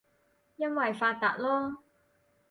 因爲發達囉